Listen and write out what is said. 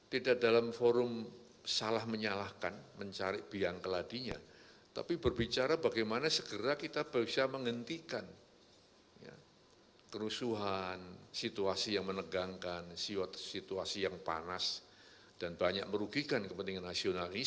tidak dalam forum salah menyalahkan mencari biang keladinya tapi berbicara bagaimana segera kita bisa menghentikan kerusuhan situasi yang menegangkan situasi yang panas dan banyak merugikan kepentingan nasionalis